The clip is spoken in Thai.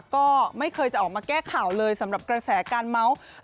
ก็ไม่เคยจะออกมาแก้ข่าวเลยสำหรับกระแสการเมาส์